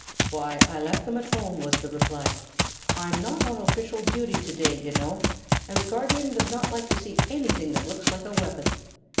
"Why, I left them at home," was the reply. "I'm not on official duty today, you know, and the Guardian does not like to see anything that looks like a weapon.